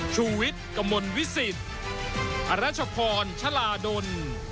ชุวิตกำลังวิสิทธิ์พระราชพรชลาดล